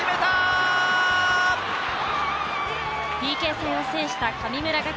ＰＫ戦を制した神村学園。